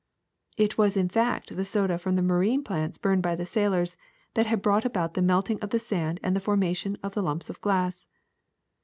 '' "It was in fact the soda from the marine plants burned by the sailors that had brought about the melting of the sand and the formation of lumps of glass.